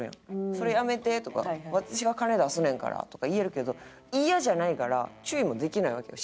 「それやめて」とか「私が金出すねんから」とか言えるけどイヤじゃないから注意もできないわけよしないわけよ。